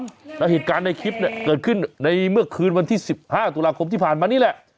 แล้วเหตุการณ์ในคลิปเนี่ยเกิดขึ้นในเมื่อคืนวันที่๑๕ตุลาคมที่ผ่านมานี่แหละ